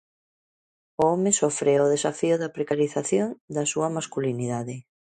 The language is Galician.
O home sofre o desafío da precarización da súa masculinidade.